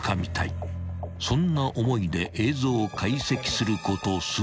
［そんな思いで映像を解析すること数時間］